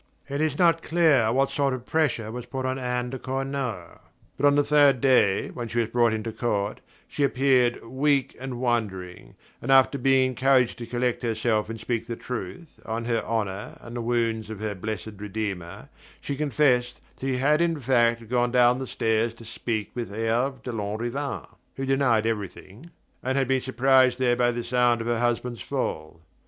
It is not clear what pressure was put on Anne de Cornault; but on the third day, when she was brought into court, she "appeared weak and wandering," and after being encouraged to collect herself and speak the truth, on her honour and the wounds of her Blessed Redeemer, she confessed that she had in fact gone down the stairs to speak with Herve de Lanrivain (who denied everything), and had been surprised there by the sound of her husband's fall.